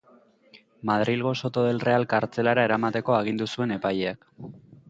Madrilgo Soto del Real kartzelara eramateko agindu zuen epaileak.